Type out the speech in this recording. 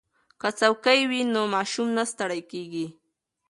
که څوکۍ وي نو ماشوم نه ستړی کیږي.